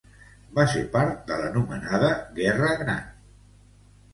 Va ser part de l'anomenada Guerra Gran.